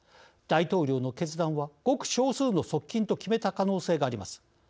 大統領の決断はごく少数の側近と決めた可能性があります。